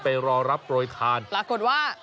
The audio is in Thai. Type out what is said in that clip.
ไปรอรับโปรยทานปรากฏว่า